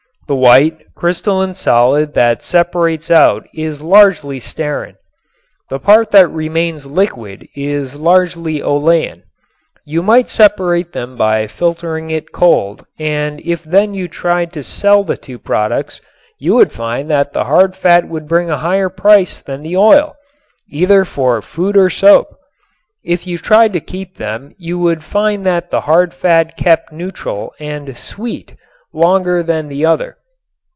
The white, crystalline solid that separates out is largely stearin. The part that remains liquid is largely olein. You might separate them by filtering it cold and if then you tried to sell the two products you would find that the hard fat would bring a higher price than the oil, either for food or soap. If you tried to keep them you would find that the hard fat kept neutral and "sweet" longer than the other.